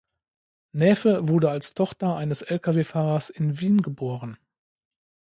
Naefe wurde als Tochter eines Lkw-Fahrers in Wien geboren.